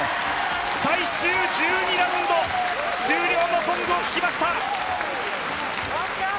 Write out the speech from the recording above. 最終１２ラウンド終了のゴングを聞きました。